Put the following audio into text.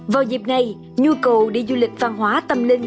vào dịp này nhu cầu đi du lịch văn hóa tâm linh